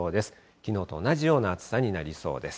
きのうと同じような暑さになりそうです。